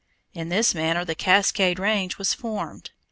In this manner the Cascade Range was formed.